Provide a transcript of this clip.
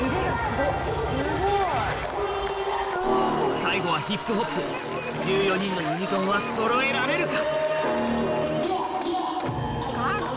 最後はヒップホップ１４人のユニゾンは揃えられるか？